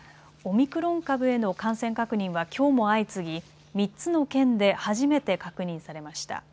オミクロン株への感染確認はきょうも相次ぎ３つの県で初めて確認されました。